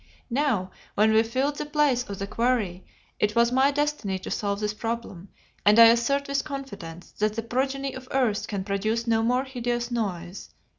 Now, when we filled the place of the quarry, it was my destiny to solve this problem, and I assert with confidence that the progeny of earth can produce no more hideous noise.